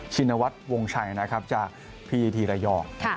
ชินวัฒน์วงชัยนะครับจากพีทีระยอง